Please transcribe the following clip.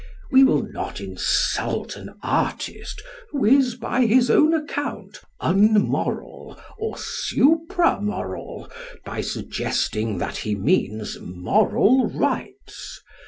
We will not insult an artist, who is by his own account un moral or supra moral by suggesting that he means "moral rights."